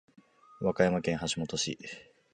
和歌山県橋本市